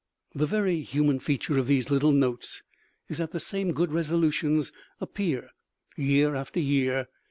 The very human feature of these little notes is that the same good resolutions appear year after year.